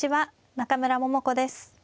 中村桃子です。